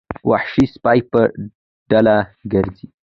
وحشي سپي په ډله ګرځي.